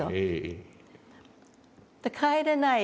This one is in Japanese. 帰れない。